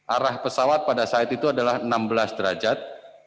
arah pesawat pada saat itu adalah enam belas derajat